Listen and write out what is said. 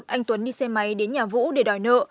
anh tuấn đi xe máy đến nhà vũ để đòi nợ